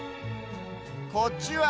こっちは。